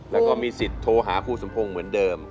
แล้วก็มีสิทธิ์โทรหาครูสมพงศ์เหมือนเดิม